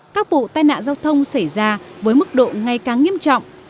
các vụ tai nạn giao thông xảy ra với mức độ ngày càng nghiêm trọng